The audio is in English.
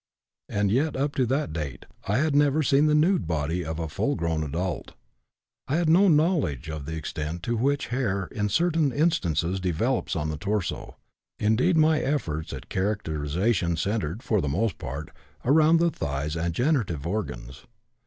And yet up to that date I had never seen the nude body of a full grown adult. I had no knowledge of the extent to which hair in certain instances develops on the torso; indeed, my efforts at characterization centered, for the most part, around the thighs and generative organs.